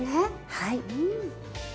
はい。